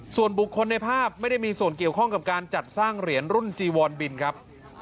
ส่วนบุคคลในภาพไม่ได้มีส่วนเกี่ยวข้องกับการจัดสร้างเหรียญรุ่นจีวอนบินครับ